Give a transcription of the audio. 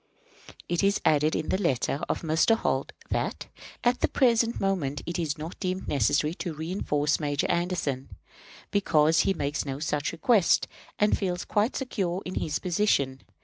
It is added in the letter of Mr. Holt that "at the present moment it is not deemed necessary to reënforce Major Anderson, because he makes no such request, and feels quite secure in his position.